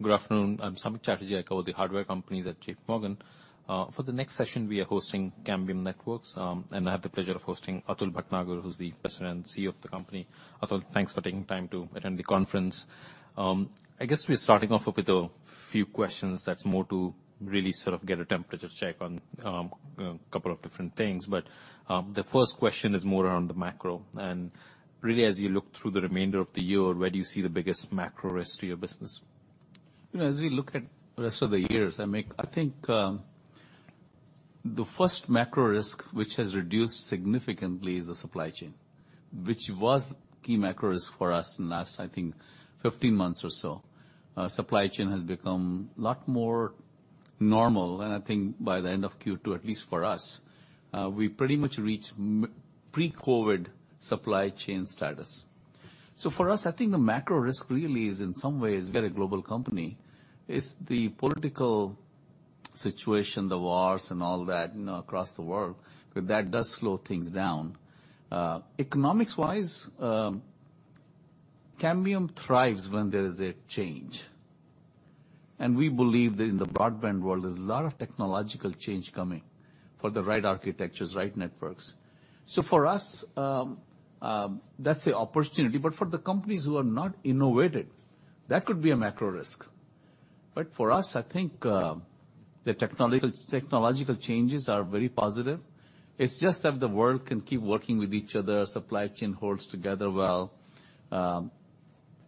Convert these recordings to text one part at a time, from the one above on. Good afternoon. I'm Samik Chatterjee. I cover the hardware companies at JPMorgan. For the next session, we are hosting Cambium Networks, and I have the pleasure of hosting Atul Bhatnagar, who's the President and CEO of the company. Atul, thanks for taking time to attend the conference. I guess we're starting off with a few questions that's more to really sort of get a temperature check on a couple of different things. The first question is more around the macro, and really as you look through the remainder of the year, where do you see the biggest macro risk to your business? You know, as we look at rest of the year, Samik, I think, the first macro risk which has reduced significantly is the supply chain, which was key macro risk for us in the last, I think, 15 months or so. Supply chain has become a lot more normal, and I think by the end of Q2, at least for us, we pretty much reached pre-COVID supply chain status. For us, I think the macro risk really is in some ways, we're a global company, is the political situation, the wars and all that, you know, across the world, because that does slow things down. Economics-wise, Cambium thrives when there is a change. We believe that in the broadband world, there's a lot of technological change coming for the right architectures, right networks. For us, that's the opportunity, but for the companies who are not innovative, that could be a macro risk. For us, I think, the technological changes are very positive. It's just that the world can keep working with each other, supply chain holds together well.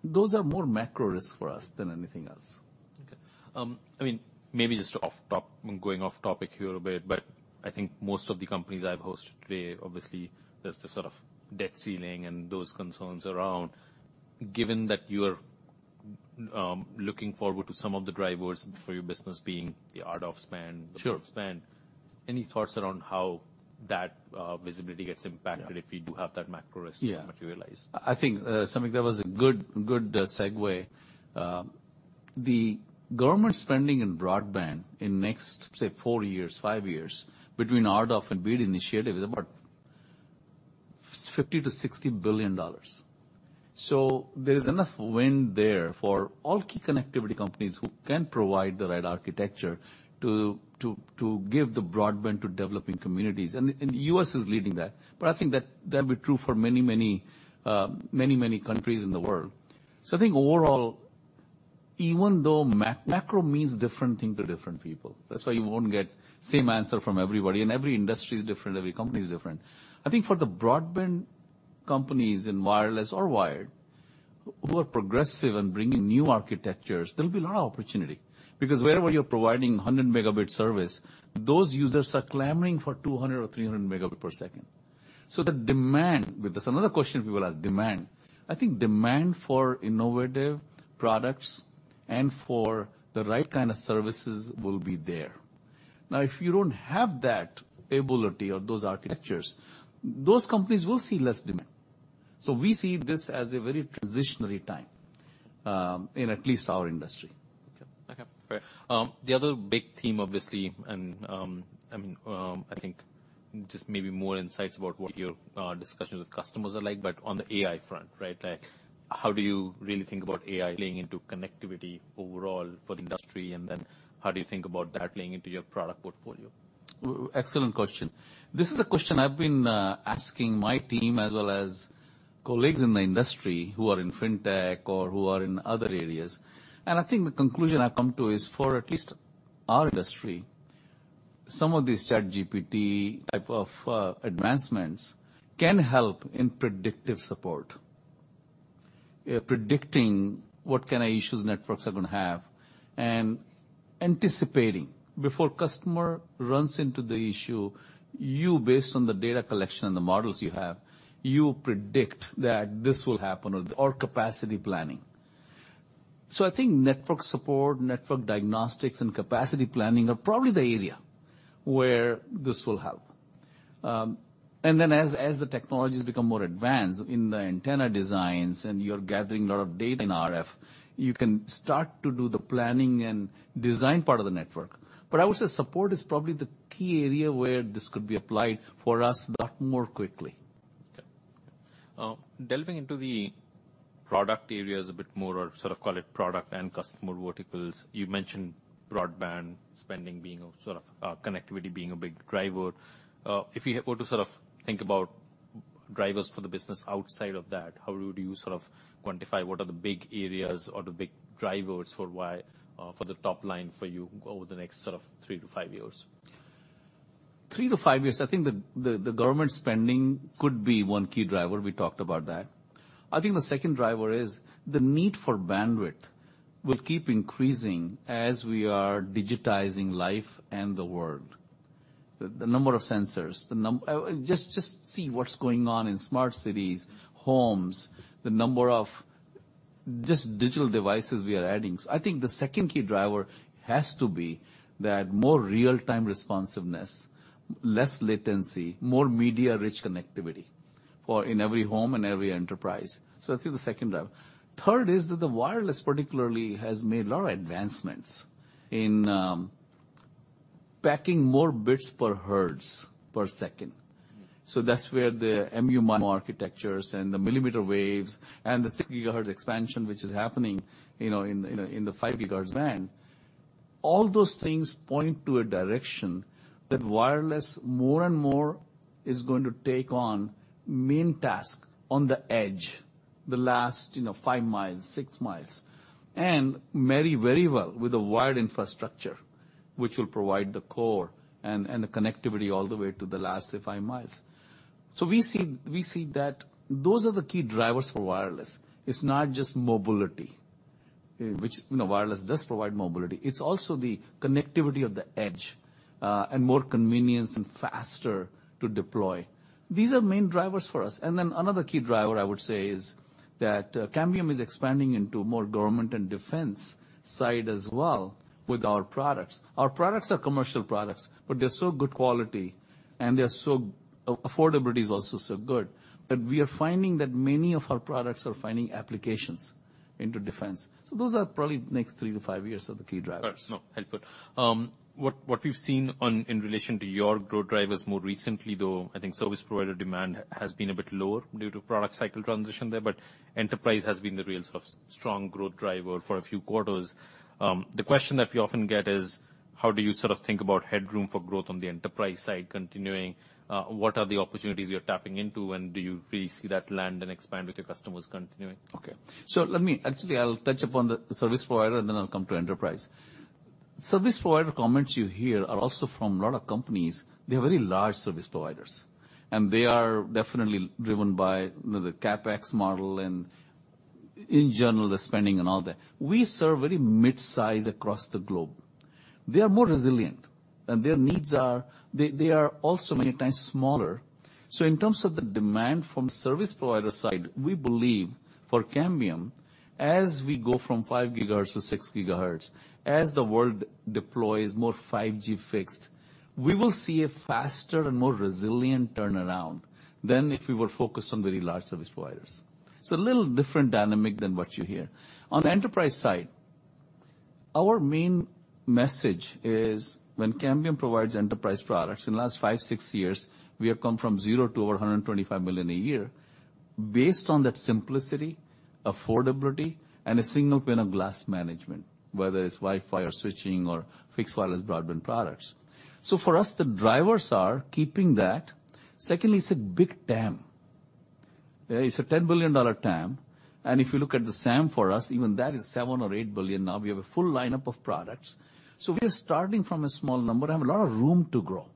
Those are more macro risks for us than anything else. Okay. I mean, maybe just off top, going off topic here a bit, but I think most of the companies I've hosted today, obviously, there's the sort of debt ceiling and those concerns around. Given that you're looking forward to some of the drivers for your business being the RDOF spend- Sure. The BEAD spend, any thoughts around how that visibility gets impacted? Yeah. If you do have that macro risk materialize? Yeah. I think, Samik, that was a good segue. The government spending in broadband in next, say four years, five years, between RDOF and BEAD initiative is about $50 billion-$60 billion. There is enough wind there for all key connectivity companies who can provide the right architecture to give the broadband to developing communities. The U.S. is leading that, but I think that that'll be true for many countries in the world. I think overall, even though macro means different thing to different people. That's why you won't get same answer from everybody, and every industry is different, every company is different. I think for the broadband companies in wireless or wired who are progressive in bringing new architectures, there will be a lot of opportunity. Wherever you're providing 100 Mb service, those users are clamoring for 200 or 300 Mb per second. The demand, because another question people ask, demand. I think demand for innovative products and for the right kind of services will be there. If you don't have that ability or those architectures, those companies will see less demand. We see this as a very transitionary time in at least our industry. Okay. Okay, fair. The other big theme, obviously, and, I mean, I think just maybe more insights about what your discussions with customers are like, but on the AI front, right? Like, how do you really think about AI playing into connectivity overall for the industry, and then how do you think about that playing into your product portfolio? Excellent question. This is a question I've been asking my team as well as colleagues in the industry who are in fintech or who are in other areas. I think the conclusion I've come to is for at least our industry, some of these ChatGPT type of advancements can help in predictive support. Predicting what kind of issues networks are gonna have and anticipating, before customer runs into the issue, you, based on the data collection and the models you have, you predict that this will happen or capacity planning. I think network support, network diagnostics, and capacity planning are probably the area where this will help. Then as the technologies become more advanced in the antenna designs and you're gathering a lot of data in RF, you can start to do the planning and design part of the network. I would say support is probably the key area where this could be applied for us a lot more quickly. Delving into the product areas a bit more, or sort of call it product and customer verticals, you mentioned broadband spending being a sort of connectivity being a big driver. If you were to sort of think about drivers for the business outside of that, how would you sort of quantify what are the big areas or the big drivers for why, for the top line for you over the next sort of three to five years? Three to five years, I think the government spending could be one key driver. We talked about that. I think the second driver is the need for bandwidth will keep increasing as we are digitizing life and the world. The number of sensors, just see what's going on in smart cities, homes, the number of just digital devices we are adding. I think the second key driver has to be that more real-time responsiveness, less latency, more media-rich connectivity for in every home and every enterprise. I think the second driver. Third is that the wireless particularly has made a lot of advancements in Packing more bits per hertz per second. That's where the MU-MIMO architectures and the millimeter waves and the 6 GHz expansion, which is happening, you know, in the 5 GHz band. All those things point to a direction that wireless more and more is going to take on main task on the edge, the last, you know, 5 mi, 6 mi, and marry very well with the wired infrastructure, which will provide the core and the connectivity all the way to the last 3, 5 mi. We see that those are the key drivers for wireless. It's not just mobility, which, you know, wireless does provide mobility. It's also the connectivity of the edge, and more convenience and faster to deploy. These are main drivers for us. Another key driver I would say is that Cambium is expanding into more government and defense side as well with our products. Our products are commercial products, but they're so good quality, and they're so Affordability is also so good, that we are finding that many of our products are finding applications into defense. Those are probably next three to five years are the key drivers. No, helpful. What we've seen on, in relation to your growth drivers more recently, though, I think service provider demand has been a bit lower due to product cycle transition there, but enterprise has been the real sort of strong growth driver for a few quarters. The question that we often get is: how do you sort of think about headroom for growth on the enterprise side continuing? What are the opportunities you're tapping into? Do you really see that land and expand with your customers continuing? Okay. Actually, I'll touch upon the service provider, and then I'll come to enterprise. Service provider comments you hear are also from a lot of companies, they're very large service providers, and they are definitely driven by the CapEx model and in general, the spending and all that. We serve very mid-size across the globe. They are more resilient, and their needs are. They are also many times smaller. In terms of the demand from service provider side, we believe for Cambium, as we go from 5 GHz to 6 GHz, as the world deploys more 5G fixed, we will see a faster and more resilient turnaround than if we were focused on very large service providers. It's a little different dynamic than what you hear. On the enterprise side, our main message is when Cambium provides enterprise products, in the last five, six years, we have come from zero to over $125 million a year based on that simplicity, affordability, and a single pane of glass management, whether it's Wi-Fi or switching or fixed wireless broadband products. For us, the drivers are keeping that. Secondly, it's a big TAM. It's a $10 billion TAM, and if you look at the SAM for us, even that is $7 billion or $8 billion now. We have a full lineup of products. So we're starting from a small number and have a lot of room to grow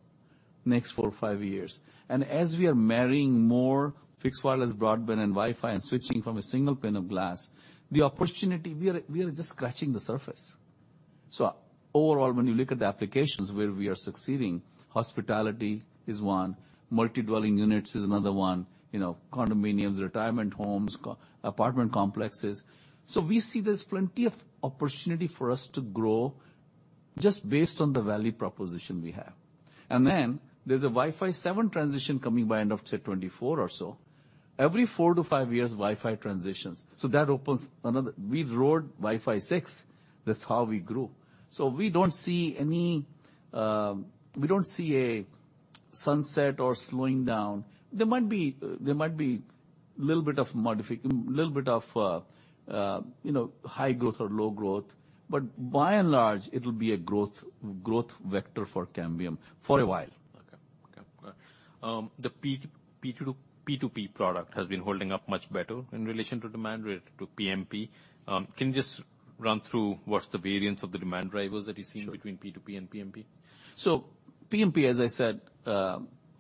next four, five years. As we are marrying more fixed wireless broadband and Wi-Fi and switching from a single pane of glass, the opportunity, we are just scratching the surface. Overall, when you look at the applications where we are succeeding, hospitality is one, multi-dwelling units is another one, you know, condominiums, retirement homes, apartment complexes. We see there's plenty of opportunity for us to grow just based on the value proposition we have. There's a Wi-Fi 7 transition coming by end of say 2024 or so. Every four to five years, Wi-Fi transitions, so that opens another... We rode Wi-Fi 6, that's how we grew. We don't see a sunset or slowing down. There might be little bit of, you know, high growth or low growth, but by and large, it'll be a growth vector for Cambium for a while. Okay. Okay. The PTP product has been holding up much better in relation to demand related to PMP. Can you just run through what's the variance of the demand drivers that you've seen? Sure. between PTP and PMP? PMP, as I said,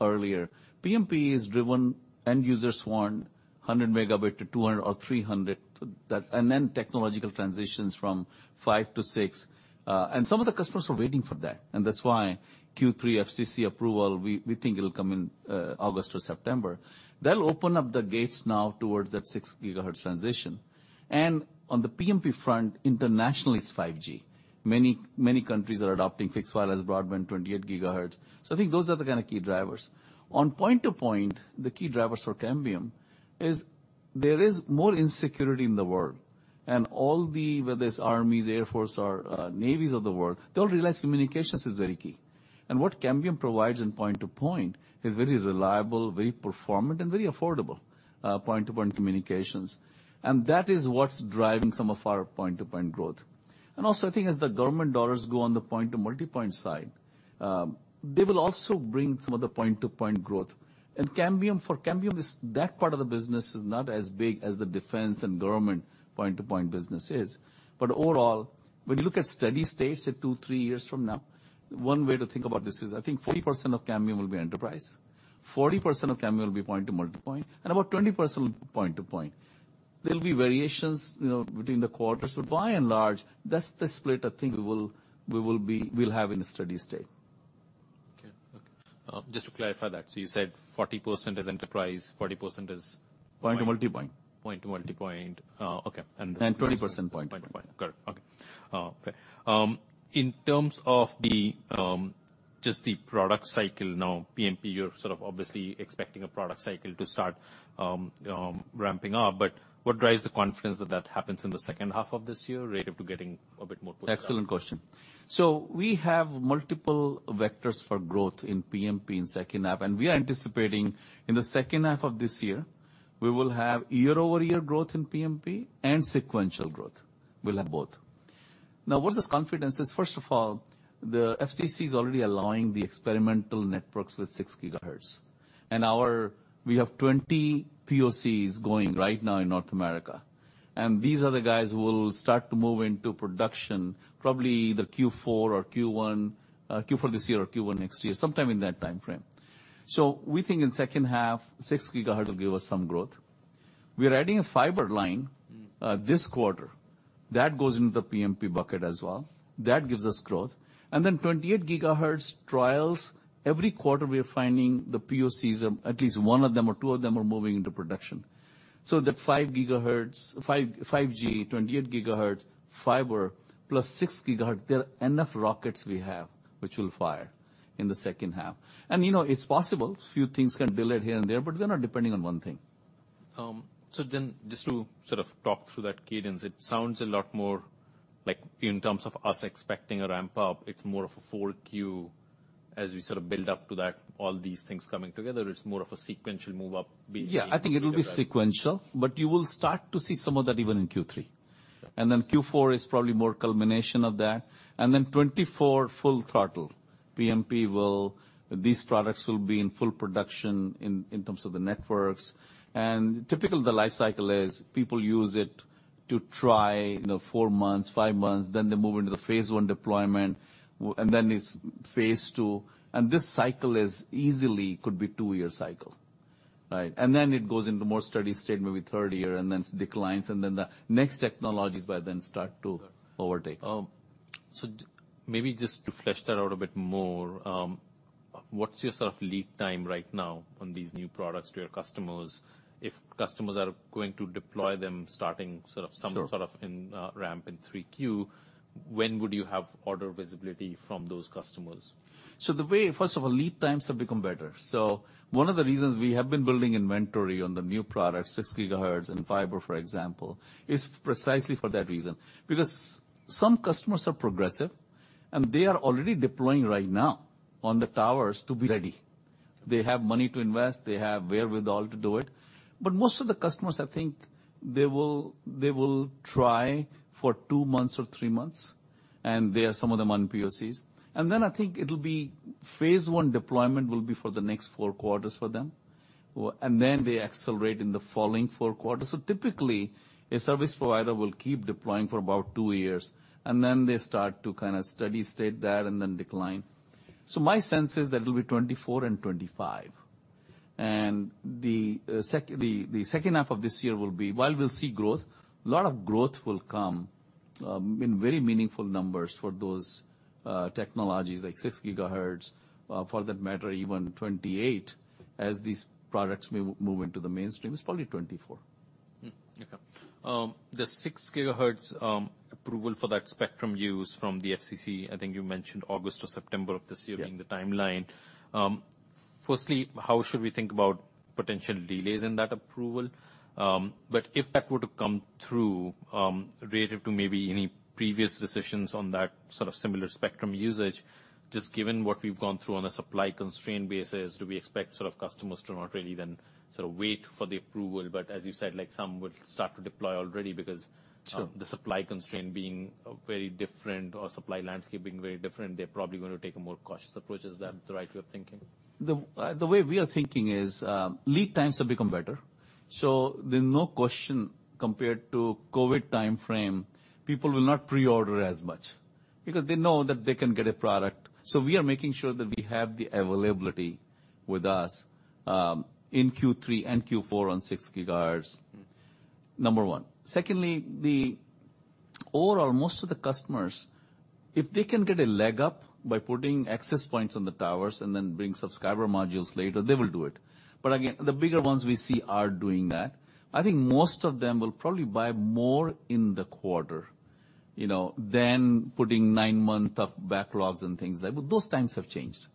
earlier, PMP is driven end users want 100 Mb-200 Mb or 300 Mb. Technological transitions from five to six, and some of the customers were waiting for that, and that's why Q3 FCC approval, we think it'll come in August or September. That'll open up the gates now towards that 6 GHz transition. On the PMP front, internationally, it's 5G. Many countries are adopting fixed wireless broadband, 28 GHz. I think those are the kind of key drivers. On point-to-point, the key drivers for Cambium is there is more insecurity in the world. All the, whether it's armies, air force or navies of the world, they all realize communications is very key. What Cambium provides in point-to-point is very reliable, very performant and very affordable point-to-point communications. That is what's driving some of our point-to-point growth. Also, I think as the government dollars go on the point to multipoint side, they will also bring some of the point-to-point growth. Cambium, for Cambium is that part of the business is not as big as the defense and government point-to-point business is. Overall, when you look at steady state, say two, three years from now, one way to think about this is, I think 40% of Cambium will be enterprise, 40% of Cambium will be point to multipoint, and about 20% will be point to point. There'll be variations, you know, between the quarters, but by and large, that's the split I think we'll have in a steady state. Okay. Okay. just to clarify that. you said 40% is enterprise, 40% is Point-to-Multipoint. Point-to-Multipoint. Okay. 20% point. Point. Correct. Okay. In terms of the just the product cycle now, PMP, you're sort of obviously expecting a product cycle to start ramping up, but what drives the confidence that that happens in the second half of this year relative to getting a bit more pushback? Excellent question. We have multiple vectors for growth in PMP in second half, we are anticipating in the second half of this year we will have year-over-year growth in PMP and sequential growth. We'll have both. Where's this confidence? First of all, the FCC is already allowing the experimental networks with 6 GHz. We have 20 POCs going right now in North America. These are the guys who will start to move into production probably either Q4 or Q1, Q4 this year or Q1 next year, sometime in that timeframe. We think in second half, 6 GHz will give us some growth. We are adding a fiber line-this quarter that goes into the PMP bucket as well. That gives us growth. 28 GHz trials, every quarter we are finding the POCs, at least one of them or two of them are moving into production. The 5 GHz, 5G, 28 GHz, fiber plus 6 GHz, there are enough rockets we have which will fire in the second half. You know, it's possible. A few things can delay here and there, but we're not depending on one thing. Just to sort of talk through that cadence, it sounds a lot more like in terms of us expecting a ramp up, it's more of a full queue as we sort of build up to that, all these things coming together, it's more of a sequential move up. Yeah, I think it'll be sequential. You will start to see some of that even in Q3. Okay. Q4 is probably more culmination of that. 2024, full throttle. These products will be in full production in terms of the networks. Typically, the life cycle is people use it to try, you know, four months, five months, then they move into the phase one deployment, and then it's phase two. This cycle is easily could be two-year cycle, right? Then it goes into more steady state, maybe third year, and then declines, and then the next technologies by then start to overtake. Maybe just to flesh that out a bit more, what's your sort of lead time right now on these new products to your customers if customers are going to deploy them starting sort of. Sure. Some sort of a ramp in 3Q, when would you have order visibility from those customers? First of all, lead times have become better. One of the reasons we have been building inventory on the new products, 6 GHz and fiber, for example, is precisely for that reason. Some customers are progressive, and they are already deploying right now on the towers to be ready. They have money to invest, they have wherewithal to do it. Most of the customers, I think, they will try for two months or three months, and they are some of them on POCs. I think it'll be phase one deployment will be for the next four quarters for them. They accelerate in the following four quarters. Typically, a service provider will keep deploying for about two years, and then they start to kinda steady state there and then decline. My sense is that it'll be 2024 and 2025. The second half of this year will be, while we'll see growth, a lot of growth will come in very meaningful numbers for those technologies like 6 GHz, for that matter, even 28 GHz, as these products move into the mainstream, it's probably 2024. Okay. The 6 GHz approval for that spectrum use from the FCC, I think you mentioned August or September of this year? Yeah. being the timeline. Firstly, how should we think about potential delays in that approval? If that were to come through, relative to maybe any previous decisions on that sort of similar spectrum usage, just given what we've gone through on a supply constraint basis, do we expect sort of customers to not really then sort of wait for the approval, but as you said, like some would start to deploy already because- Sure. The supply constraint being very different or supply landscape being very different, they're probably gonna take a more cautious approach. Is that the right way of thinking? The way we are thinking is, lead times have become better. There's no question compared to COVID timeframe, people will not pre-order as much because they know that they can get a product. We are making sure that we have the availability with us, in Q3 and Q4 on 6 GHz. Mm. Number one. Secondly, overall, most of the customers, if they can get a leg up by putting access points on the towers and then bring subscriber modules later, they will do it. Again, the bigger ones we see are doing that. I think most of them will probably buy more in the quarter, you know, than putting 9-month of backlogs and things like. Those times have changed.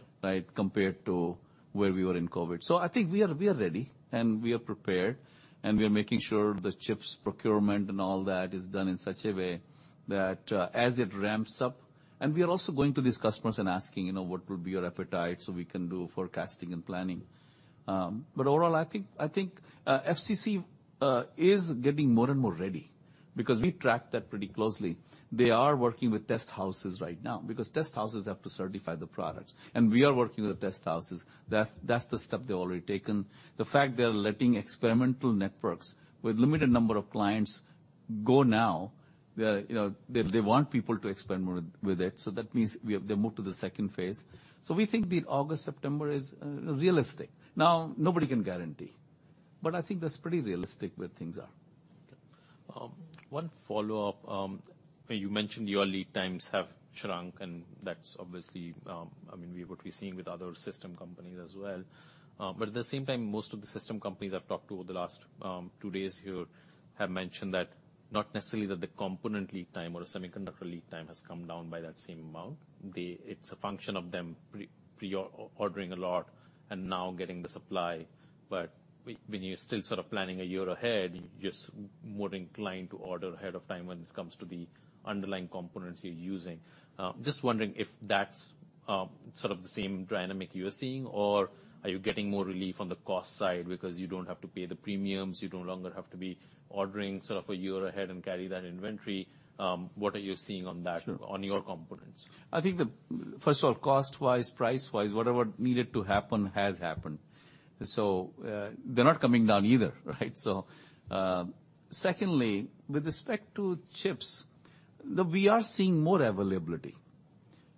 Okay. right? Compared to where we were in COVID. I think we are, we are ready, and we are prepared, and we are making sure the chips procurement and all that is done in such a way that as it ramps up... We are also going to these customers and asking, you know, "What will be your appetite so we can do forecasting and planning?" Overall, I think, FCC is getting more and more ready because we track that pretty closely. They are working with test houses right now because test houses have to certify the products, and we are working with test houses. That's the step they've already taken. The fact they're letting experimental networks with limited number of clients go now, they're, you know, they want people to experiment with it. That means they moved to the second phase. We think the August, September is realistic. Nobody can guarantee, but I think that's pretty realistic where things are. One follow-up. You mentioned your lead times have shrunk, and that's obviously, I mean, what we're seeing with other system companies as well. At the same time, most of the system companies I've talked to over the last two days here have mentioned that not necessarily that the component lead time or the semiconductor lead time has come down by that same amount. It's a function of them pre-ordering a lot and now getting the supply. When you're still sort of planning a year ahead, you're just more inclined to order ahead of time when it comes to the underlying components you're using. Just wondering if that's, sort of the same dynamic you're seeing, or are you getting more relief on the cost side because you don't have to pay the premiums, you no longer have to be ordering sort of a year ahead and carry that inventory? What are you seeing on that? Sure on your components? I think First of all, cost-wise, price-wise, whatever needed to happen has happened. They're not coming down either, right? Secondly, with respect to chips, we are seeing more availability.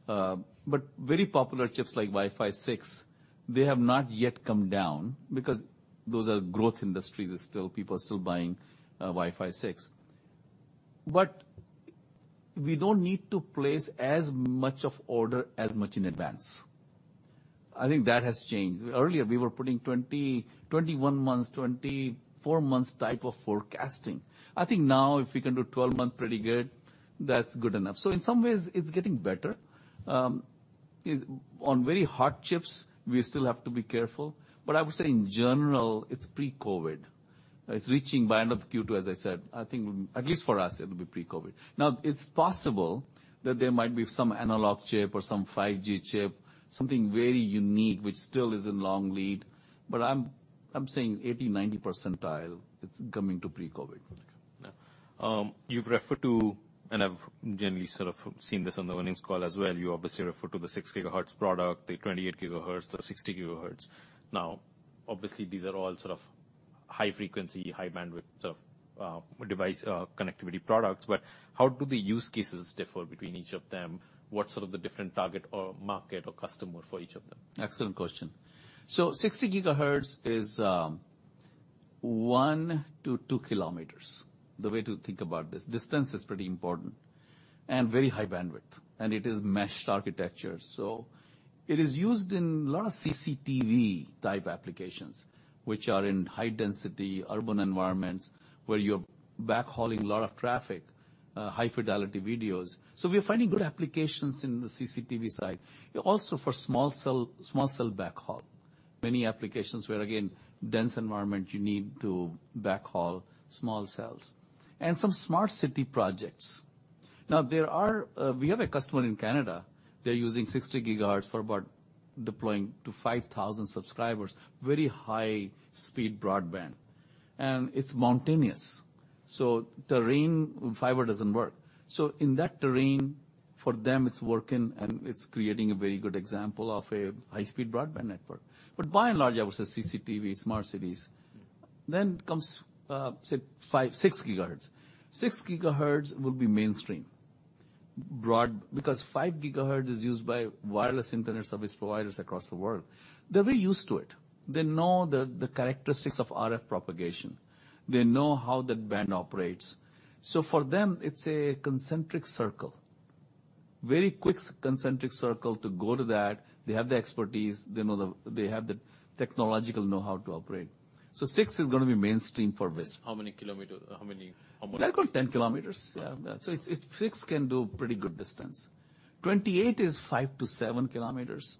But very popular chips like Wi-Fi 6, they have not yet come down because those are growth industries. People are still buying Wi-Fi 6. We don't need to place as much of order as much in advance. I think that has changed. Earlier, we were putting 20, 21 months, 24 months type of forecasting. I think now if we can do 12 months pretty good, that's good enough. In some ways, it's getting better. On very hot chips, we still have to be careful. I would say in general, it's pre-COVID. It's reaching by end of Q2, as I said. I think, at least for us, it'll be pre-COVID. It's possible that there might be some analog chip or some 5G chip, something very unique, which still is in long lead. I'm saying 80, 90 percentile, it's coming to pre-COVID. Okay. Yeah. You've referred to, and I've generally sort of seen this on the earnings call as well, you obviously refer to the 6 GHz product, the 28 GHz, the 60 GHz. Obviously, these are all sort of high frequency, high bandwidth of device connectivity products. How do the use cases differ between each of them? What's sort of the different target or market or customer for each of them? Excellent question. 60 GHz is 1 km-2 km, the way to think about this. Distance is pretty important and very high bandwidth, and it is meshed architecture. It is used in a lot of CCTV-type applications, which are in high-density urban environments where you're backhauling a lot of traffic, high-fidelity videos. We are finding good applications in the CCTV side. Also for small cell backhaul. Many applications where, again, dense environment, you need to backhaul small cells. Some smart city projects. There are. We have a customer in Canada. They're using 60 GHz for about deploying to 5,000 subscribers, very high-speed broadband. It's mountainous, so terrain, fiber doesn't work. In that terrain, for them, it's working, and it's creating a very good example of a high-speed broadband network. By and large, I would say CCTV, smart cities. Comes, say 5, 6 GHz. 6 GHz will be mainstream broad because 5 GHz is used by Wireless Internet Service Providers across the world. They're very used to it. They know the characteristics of RF propagation. They know how that band operates. For them, it's a concentric circle. Very quick concentric circle to go to that. They have the expertise. They have the technological know-how to operate. 6 GHz is gonna be mainstream for WISP. How many, how much- They're called 10 km. Yeah. So it's 6 km can do pretty good distance. 28 is 5 km-7 km,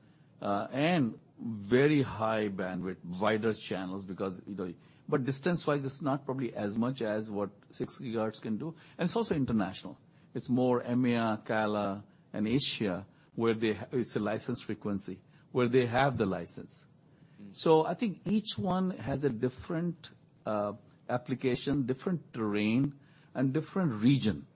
and very high bandwidth, wider channels because, you know. Distance-wise, it's not probably as much as what 6 GHz can do, and it's also international. It's more EMEA, CALA, and Asia, where it's a licensed frequency, where they have the license. Mm. I think each one has a different application, different terrain, and different region.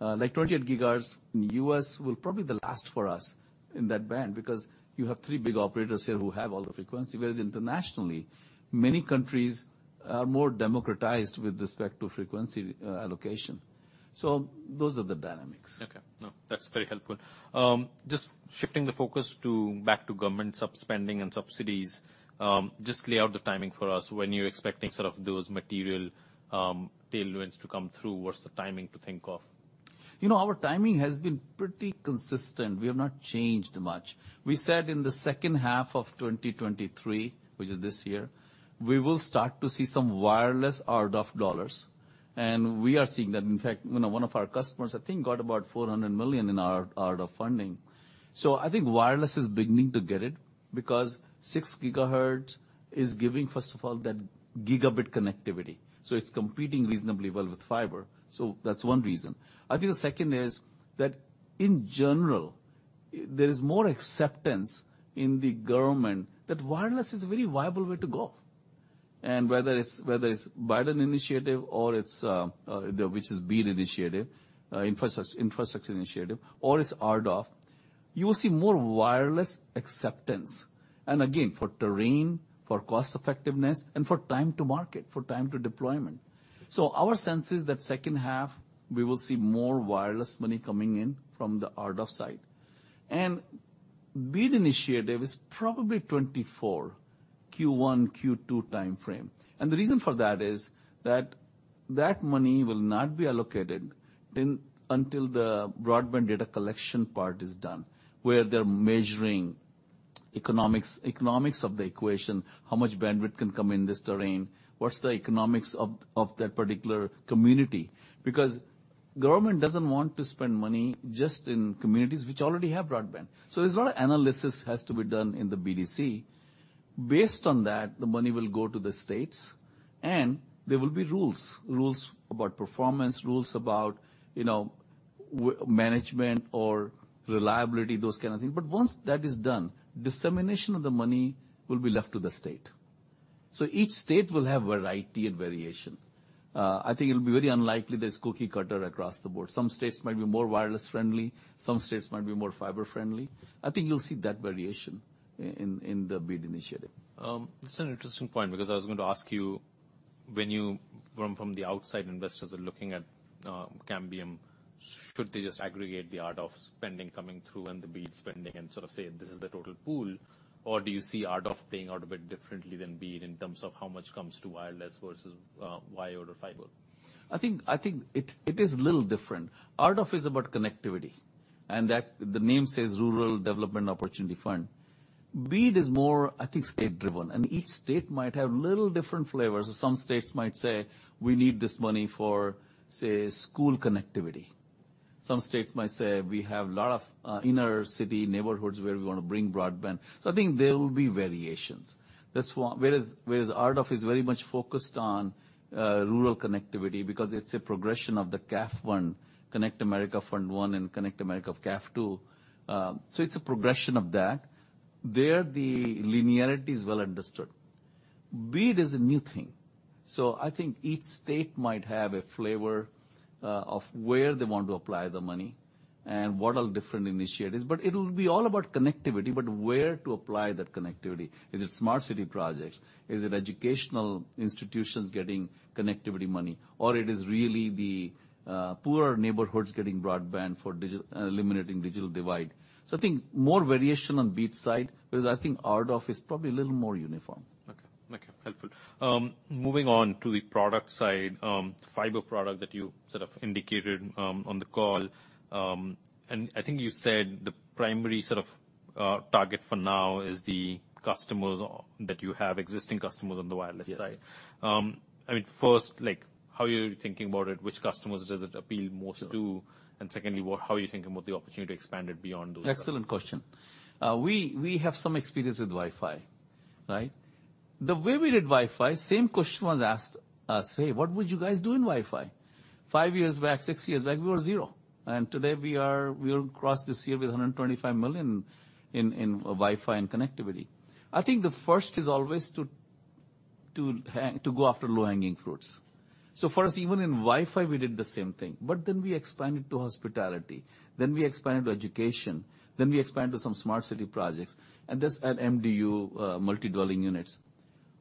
Like 28 GHz in the U.S. will probably the last for us in that band because you have three big operators here who have all the frequency. Whereas internationally, many countries are more democratized with respect to frequency allocation. Those are the dynamics. Okay. No, that's very helpful. Just shifting the focus back to government sub-spending and subsidies, just lay out the timing for us. When are you expecting sort of those material tailwinds to come through? What's the timing to think of? You know, our timing has been pretty consistent. We have not changed much. We said in the second half of 2023, which is this year, we will start to see some wireless RDOF dollars. We are seeing that. In fact, you know, one of our customers, I think, got about $400 million in RDOF funding. I think wireless is beginning to get it because 6 GHz is giving, first of all, that gigabit connectivity, so it's competing reasonably well with fiber. That's one reason. I think the second is that in general, there is more acceptance in the government that wireless is a very viable way to go. Whether it's, whether it's Biden initiative or it's which is BEAD initiative, infrastructure initiative, or it's RDOF, you will see more wireless acceptance. Again, for terrain, for cost effectiveness, and for time to market, for time to deployment. Our sense is that second half, we will see more wireless money coming in from the RDOF side. BEAD initiative is probably 2024, Q1, Q2 timeframe. The reason for that is that money will not be allocated until the Broadband Data Collection part is done, where they're measuring economics of the equation, how much bandwidth can come in this terrain? What's the economics of that particular community? Government doesn't want to spend money just in communities which already have broadband. There's a lot of analysis has to be done in the BDC. Based on that, the money will go to the states, and there will be rules about performance, rules about, you know, management or reliability, those kind of things. Once that is done, dissemination of the money will be left to the state. Each state will have variety and variation. I think it'll be very unlikely there's cookie cutter across the board. Some states might be more wireless-friendly, some states might be more fiber-friendly. I think you'll see that variation in the BEAD initiative. That's an interesting point because I was going to ask you, when from the outside, investors are looking at Cambium, should they just aggregate the RDOF spending coming through and the BEAD spending and sort of say, "This is the total pool," or do you see RDOF playing out a bit differently than BEAD in terms of how much comes to wireless versus wire or fiber? I think it is a little different. RDOF is about connectivity, and that, the name says Rural Digital Opportunity Fund. BEAD is more, I think, state-driven, and each state might have little different flavors. Some states might say, "We need this money for, say, school connectivity." Some states might say, "We have a lot of inner city neighborhoods where we wanna bring broadband." I think there will be variations. That's why. Whereas RDOF is very much focused on rural connectivity because it's a progression of the CAF I, Connect America Fund Phase I and Connect America of CAF II. It's a progression of that. There, the linearity is well understood. BEAD is a new thing. I think each state might have a flavor of where they want to apply the money and what are different initiatives. It'll be all about connectivity, but where to apply that connectivity. Is it smart city projects? Is it educational institutions getting connectivity money? It is really the poorer neighborhoods getting broadband for eliminating digital divide. I think more variation on BEAD side, whereas I think RDOF is probably a little more uniform. Okay, helpful. Moving on to the product side, the fiber product that you sort of indicated on the call. I think you said the primary sort of target for now is the customers that you have, existing customers on the wireless side. Yes. I mean, first, like, how are you thinking about it? Which customers does it appeal most to? Sure. Secondly, how are you thinking about the opportunity to expand it beyond those customers? Excellent question. We have some experience with Wi-Fi, right? The way we did Wi-Fi, same question was asked us, "Hey, what would you guys do in Wi-Fi?" five years back, six years back, we were zero. Today we are, we'll cross this year with $125 million in Wi-Fi and connectivity. I think the first is always to go after low-hanging fruits. For us, even in Wi-Fi, we did the same thing, but then we expanded to hospitality, then we expanded to education, then we expanded to some smart city projects. Add MDU, multi-dwelling units.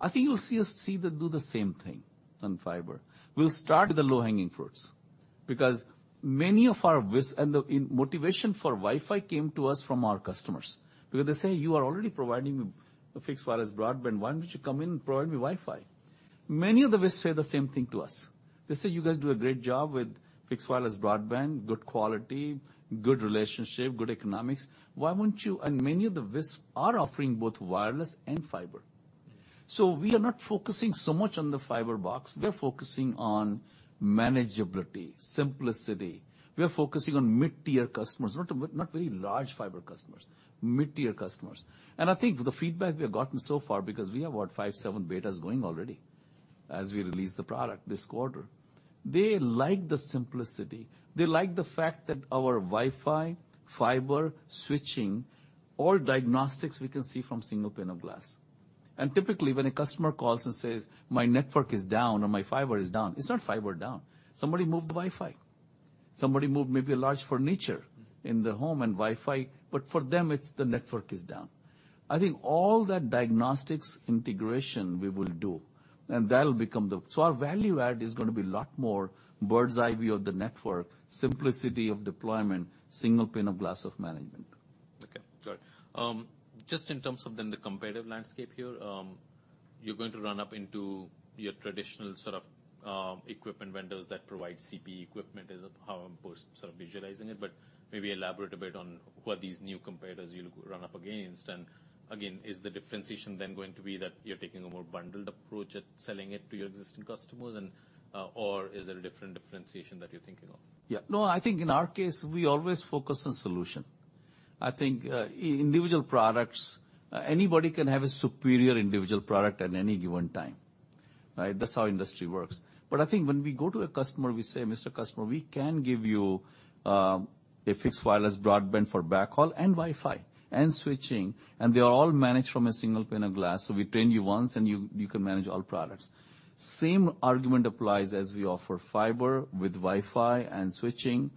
I think you'll see us do the same thing on fiber. We'll start with the low-hanging fruits, because many of our motivation for Wi-Fi came to us from our customers, because they say, "You are already providing a fixed wireless broadband. Why don't you come in and provide me Wi-Fi?" Many of the WISPs say the same thing to us. They say, "You guys do a great job with fixed wireless broadband, good quality, good relationship, good economics. Why won't you..." Many of the WISPs are offering both wireless and fiber. Mm-hmm. We are not focusing so much on the fiber box, we're focusing on manageability, simplicity. We are focusing on mid-tier customers, not very large fiber customers, mid-tier customers. I think the feedback we have gotten so far, because we have, what, five, seven betas going already as we release the product this quarter. They like the simplicity. They like the fact that our Wi-Fi, fiber, switching, all diagnostics we can see from single pane of glass. Typically, when a customer calls and says, "My network is down" or, "My fiber is down," it's not fiber down. Somebody moved the Wi-Fi. Somebody moved maybe a large furniture in the home and Wi-Fi... For them, it's the network is down. I think all that diagnostics integration we will do, and that'll become the...Our value add is gonna be a lot more bird's eye view of the network, simplicity of deployment, single pane of glass of management. Okay. Got it. Just in terms of then the competitive landscape here, you're going to run up into your traditional sort of, equipment vendors that provide CPE equipment, is how I'm sort of visualizing it. Maybe elaborate a bit on what these new competitors you'll run up against. Again, is the differentiation then going to be that you're taking a more bundled approach at selling it to your existing customers and, or is there a different differentiation that you're thinking of? No, I think in our case, we always focus on solution. I think individual products, anybody can have a superior individual product at any given time, right? That's how industry works. I think when we go to a customer, we say, "Mr. Customer, we can give you a fixed wireless broadband for backhaul and Wi-Fi and switching, and they are all managed from a single pane of glass. We train you once, and you can manage all products." Same argument applies as we offer fiber with Wi-Fi and switching.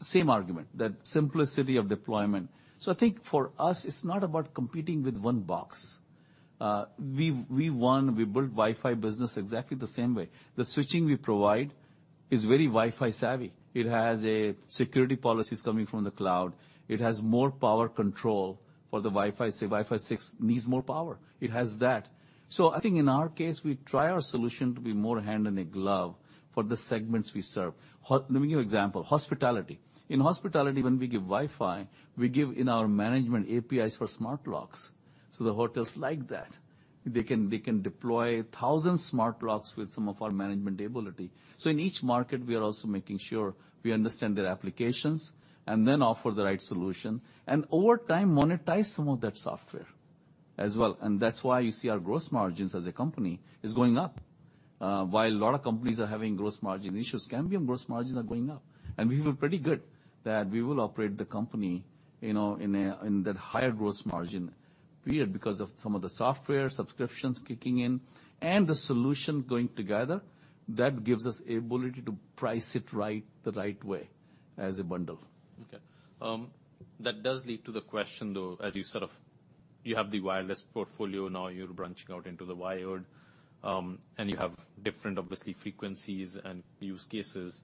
Same argument, that simplicity of deployment. I think for us, it's not about competing with one box. We won, we built Wi-Fi business exactly the same way. The switching we provide is very Wi-Fi savvy. It has a security policies coming from the cloud. It has more power control for the Wi-Fi 6 needs more power. It has that. I think in our case, we try our solution to be more hand in a glove for the segments we serve. Let me give example. Hospitality. In hospitality, when we give Wi-Fi, we give in our management APIs for smart locks. The hotels like that. They can deploy 1,000 smart locks with some of our management ability. In each market, we are also making sure we understand their applications and then offer the right solution, and over time, monetize some of that software as well. That's why you see our gross margins as a company is going up. While a lot of companies are having gross margin issues, Cambium gross margins are going up. We feel pretty good that we will operate the company, you know, in a, in that higher gross margin period because of some of the software subscriptions kicking in and the solution going together. That gives us ability to price it right, the right way as a bundle. Okay. That does lead to the question, though, as you have the wireless portfolio, now you're branching out into the wired, and you have different obviously frequencies and use cases.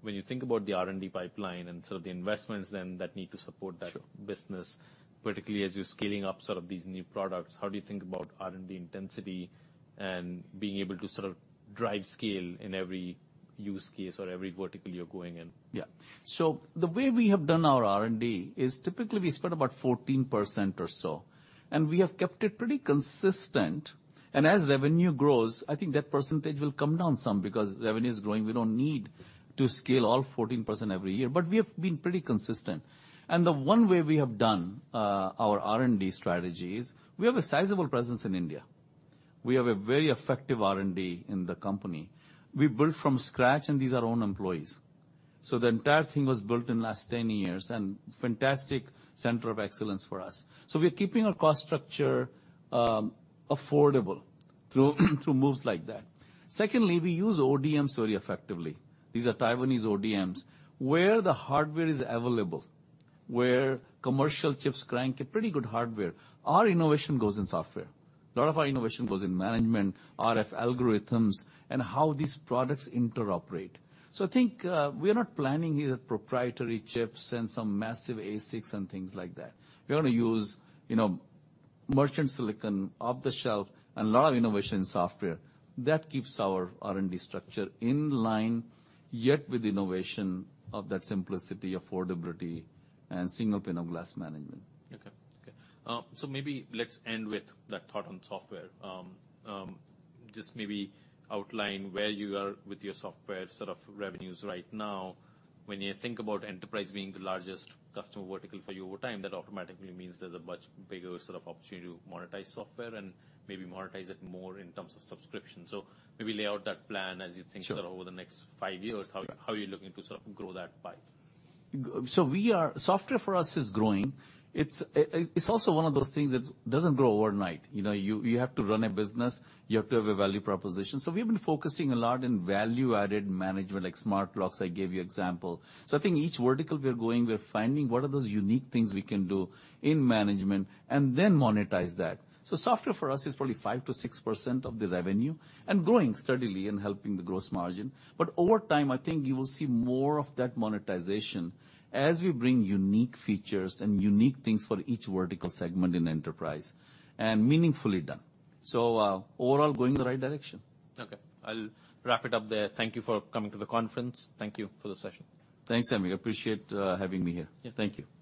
When you think about the R&D pipeline and sort of the investments then that need to support that- Sure. business, particularly as you're scaling up sort of these new products, how do you think about R&D intensity and being able to sort of drive scale in every use case or every vertical you're going in? Yeah. The way we have done our R&D is typically we spend about 14% or so, we have kept it pretty consistent. As revenue grows, I think that percentage will come down some because revenue is growing, we don't need to scale all 14% every year. We have been pretty consistent. The one way we have done our R&D strategy is we have a sizable presence in India. We have a very effective R&D in the company. We built from scratch, these are own employees. The entire thing was built in last 10 years, fantastic center of excellence for us. We're keeping our cost structure affordable through moves like that. Secondly, we use ODMs very effectively. These are Taiwanese ODMs. Where the hardware is available, where commercial chips crank a pretty good hardware, our innovation goes in software. A lot of our innovation goes in management, RF algorithms, and how these products interoperate. I think, we're not planning either proprietary chips and some massive ASICs and things like that. We only use, you know, merchant silicon off-the-shelf and a lot of innovation software. That keeps our R&D structure in line, yet with innovation of that simplicity, affordability, and single pane of glass management. Okay. Okay. Maybe let's end with that thought on software. Just maybe outline where you are with your software sort of revenues right now. When you think about enterprise being the largest customer vertical for you over time, that automatically means there's a much bigger sort of opportunity to monetize software and maybe monetize it more in terms of subscription. Maybe lay out that plan as you think. Sure. sort of over the next five years Yeah. how are you looking to sort of grow that pipe? Software for us is growing. It's also one of those things that doesn't grow overnight. You know, you have to run a business, you have to have a value proposition. We have been focusing a lot in value-added management, like smart locks, I gave you example. I think each vertical we are going, we're finding what are those unique things we can do in management and then monetize that. Software for us is probably 5%-6% of the revenue, and growing steadily and helping the gross margin. Over time, I think you will see more of that monetization as we bring unique features and unique things for each vertical segment in enterprise, and meaningfully done. Overall going in the right direction. Okay. I'll wrap it up there. Thank you for coming to the conference. Thank you for the session. Thanks, Samik. I appreciate having me here. Yeah. Thank you.